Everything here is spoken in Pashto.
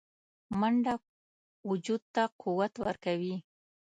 منډه وجود ته قوت ورکوي